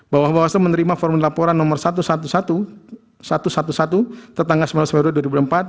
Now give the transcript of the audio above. bahwa bahwa soeri menerima formul laporan nomor satu ratus sebelas satu ratus sebelas tanggal sembilan dua februari dua ribu empat